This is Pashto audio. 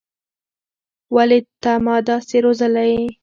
ولې ته ما داسې روزلى يې.